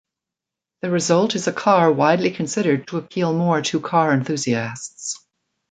The result is a car widely considered to appeal more to car enthusiasts.